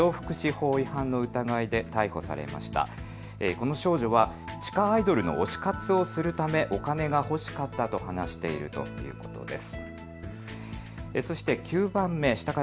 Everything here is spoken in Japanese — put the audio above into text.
この少女は地下アイドルの推し活をするためお金が欲しかったと話しているということです。